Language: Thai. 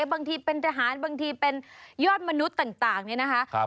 บางทีเป็นทหารบางทีเป็นยอดมนุษย์ต่างเนี่ยนะคะ